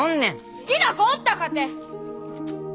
好きな子おったかて。